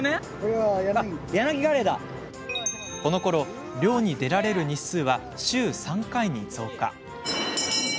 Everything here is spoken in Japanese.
このころ漁に出られる日数は週３回に増加。